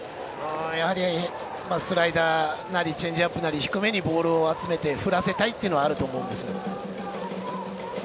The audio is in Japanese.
やはりスライダーなりチェンジアップなり低めにボールを集めて振らせたいというのはあると思います。